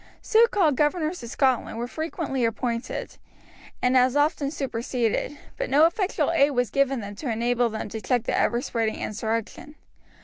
So called governors of Scotland were frequently appointed and as often superseded, but no effectual aid was given them to enable them to check the ever spreading insurrection.